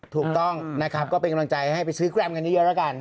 ถูกต้องนะครับก็เป็นกำลังใจให้ไปซื้อแกรมกันเยอะแล้วกัน